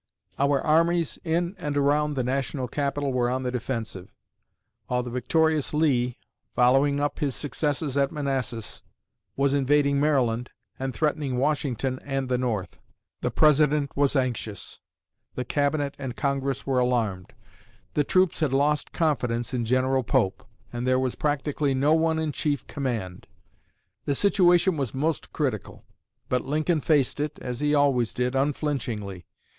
Our armies in and around the national capital were on the defensive; while the victorious Lee, following up his successes at Manassas, was invading Maryland and threatening Washington and the North. The President was anxious; the Cabinet and Congress were alarmed. The troops had lost confidence in General Pope, and there was practically no one in chief command. The situation was most critical; but Lincoln faced it, as he always did, unflinchingly.